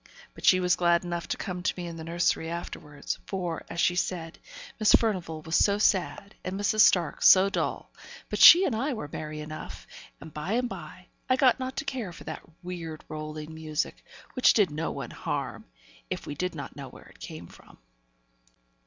But she was glad enough to come to me in the nursery afterwards; for, as she said, Miss Furnivall was so sad, and Mrs. Stark so dull; but she and I were merry enough; and by and by, I got not to care for that weird rolling music, which did one no harm, if we did not know where it came from.